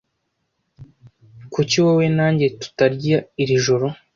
Kuki wowe na njye tutarya iri joro?